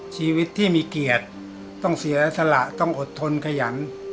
ชีวิตที่มีเกียรติต้องเสียสละต้องอดทนขยัน